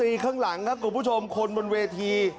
รู้จักห่างเออรู้จักห่างเมาแล้วหลับ